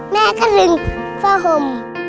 แม่ก็ลึงบ้างเกิดทำวัด